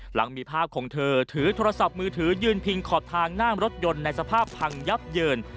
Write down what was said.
หลังมีภาพของเธอถือโทรศัพท์มือถือยืนพิงขอบทางหน้ารถยนต์ในสภาพพังยับเยิน